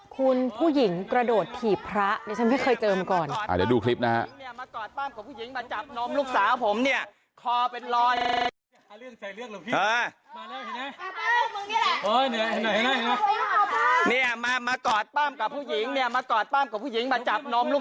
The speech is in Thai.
คุณผู้หญิงกระโดดถี่พระนี่ฉันไม่เคยเจอมก่อน